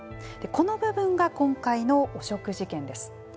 この部分が今回の汚職事件です。